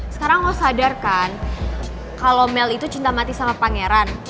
sekarang lo sadarkan kalo mel itu cinta mati sama pangeran